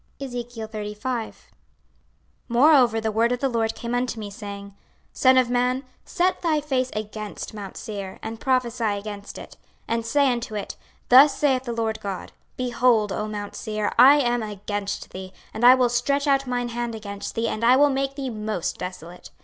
26:035:001 Moreover the word of the LORD came unto me, saying, 26:035:002 Son of man, set thy face against mount Seir, and prophesy against it, 26:035:003 And say unto it, Thus saith the Lord GOD; Behold, O mount Seir, I am against thee, and I will stretch out mine hand against thee, and I will make thee most desolate.